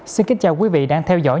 xin kính chào quý vị đang theo dõi